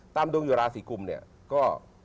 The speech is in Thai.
ดวงอยู่ราศีกุมเนี่ยก็